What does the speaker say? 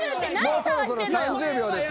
もうそろそろ３０秒です。